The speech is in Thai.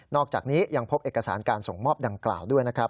อกจากนี้ยังพบเอกสารการส่งมอบดังกล่าวด้วยนะครับ